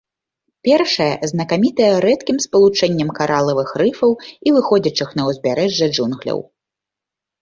Першая знакамітая рэдкім спалучэннем каралавых рыфаў і выходзячых на ўзбярэжжа джунгляў.